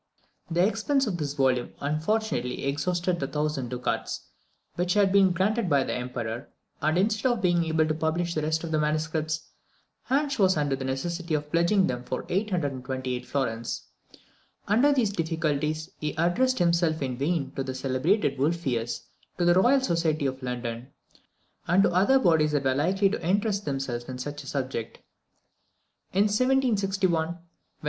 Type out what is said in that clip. _" The expenses of this volume unfortunately exhausted the 1000 ducats which had been granted by the Emperor, and, instead of being able to publish the rest of the MSS., Hansch was under the necessity of pledging them for 828 florins. Under these difficulties he addressed himself in vain to the celebrated Wolfius, to the Royal Society of London, and to other bodies that were likely to interest themselves in such a subject. In 1761, when M.